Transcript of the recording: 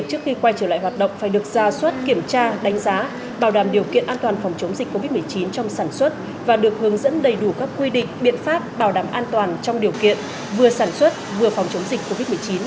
hoạt động phải được ra suất kiểm tra đánh giá bảo đảm điều kiện an toàn phòng chống dịch covid một mươi chín trong sản xuất và được hướng dẫn đầy đủ các quy định biện pháp bảo đảm an toàn trong điều kiện vừa sản xuất vừa phòng chống dịch covid một mươi chín